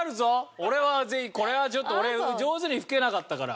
俺はぜひこれはちょっと俺上手に吹けなかったから。